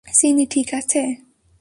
চিনি ঠিক আছে?